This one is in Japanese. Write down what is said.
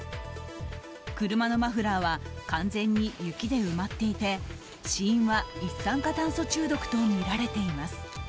車のマフラーは完全に雪で埋まっていて死因は一酸化炭素中毒とみられています。